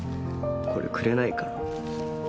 これくれないかなぁ。